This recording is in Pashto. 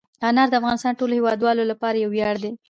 انار د افغانستان د ټولو هیوادوالو لپاره یو ویاړ دی.